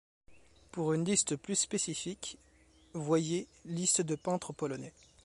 Pour une liste plus spécifique voyez Liste de peintres polonais.